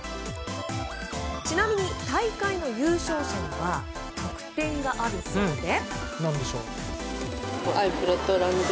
ちなみに、大会の優勝者には特典があるそうで。